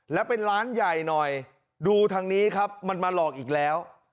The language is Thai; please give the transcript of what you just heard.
แล้วเป็นร้านใหญ่หน่อยดูทางนี้ครับมันมาหลอกอีกแล้ว